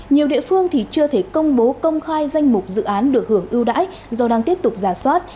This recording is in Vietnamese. nhiều địa phương thì chưa thể công bố công khai danh mục dự án được hưởng ưu đãi do đang tiếp tục giả soát